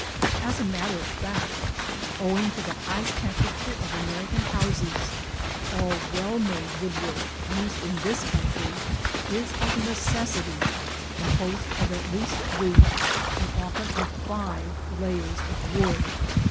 As a matter of fact, owing to the high temperature of American houses, all well made wood work used in this country is of necessity composed of at least three, and often of five, layers of wood.